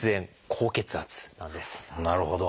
なるほど。